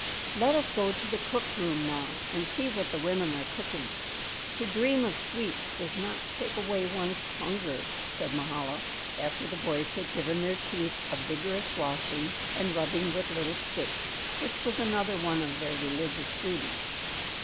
"Let us go to the cook room now and see what the women are cooking; to dream of sweets does not take away one's hunger," said Mahala, after the boys had given their teeth a vigorous washing and rubbing with little sticks, which was another one of their religious duties.